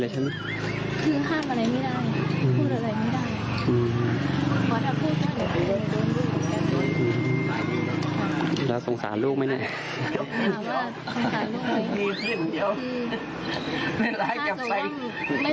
ถ้าจะว่าไม่สงสารลูกคือหนูก็ไม่ได้กลับไปถ่ายคลิปนั้นเลย